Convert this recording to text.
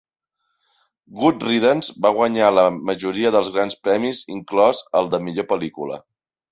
"Good Riddance" va guanyar la majoria dels grans premis, inclòs el de millor pel·lícula.